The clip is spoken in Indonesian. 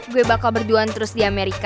gue bakal berduaan terus di amerika